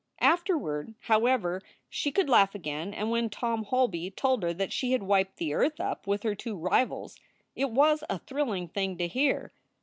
Afterward, however, she could laugh again, and when Tom Holby told her that she had wiped the earth up with her two rivals it was a thrilling thing to hear.